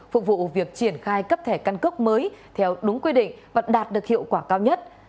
phục vụ việc triển khai cấp thẻ căn cước mới theo đúng quy định và đạt được hiệu quả cao nhất